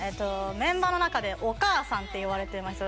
メンバーの中でお母さんって呼ばれてます。